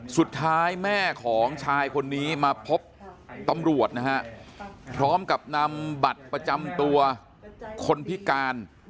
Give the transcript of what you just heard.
สุดท้ายแม่ของชายคนนี้มาพบตำรวจนะฮะพร้อมกับนำบัตรประจำตัวคนพิการ